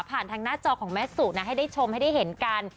ทางหน้าจอของแม่สุนะให้ได้ชมให้ได้เห็นกัน